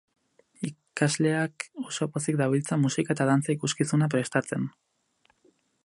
Ikasleak oso pozik dabiltza musika eta dantza ikuskizuna prestatzen.